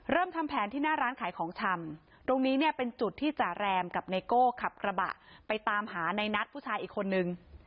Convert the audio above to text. ทำแผนที่หน้าร้านขายของชำตรงนี้เนี่ยเป็นจุดที่จ่าแรมกับไนโก้ขับกระบะไปตามหาในนัทผู้ชายอีกคนนึง